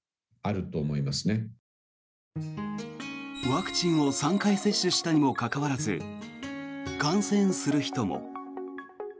ワクチンを３回接種したにもかかわらず感染する人も。